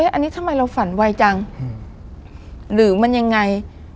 อันนี้ทำไมเราฝันไวจังหรือมันยังไง